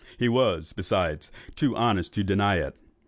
He was, besides, too honest to deny it.